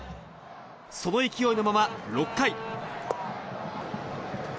その勢いのまま、６回。